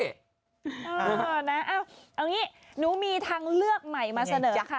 เออนะเอางี้หนูมีทางเลือกใหม่มาเสนอค่ะ